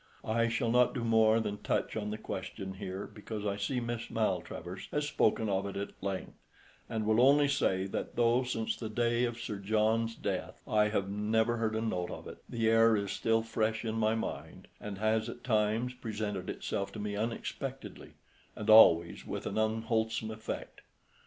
I shall not do more than touch on the question here, because I see Miss Maltravers has spoken of it at length, and will only say, that though since the day of Sir John's death I have never heard a note of it, the air is still fresh in my mind, and has at times presented itself to me unexpectedly, and always with an unwholesome effect.